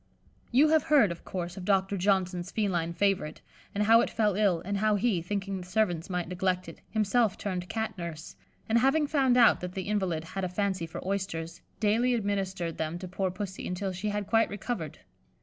You have heard, of course, of Doctor Johnson's feline favourite, and how it fell ill, and how he, thinking the servants might neglect it, himself turned Cat nurse, and having found out that the invalid had a fancy for oysters, daily administered them to poor Pussy until she had quite recovered.